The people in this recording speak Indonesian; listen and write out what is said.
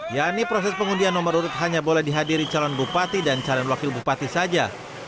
yakni proses pengundian nomor urut hanya boleh dihadiri calon bupati dan calon wakil bupati saja